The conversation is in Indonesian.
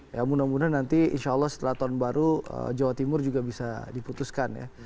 ya mudah mudahan nanti insya allah setelah tahun baru jawa timur juga bisa diputuskan ya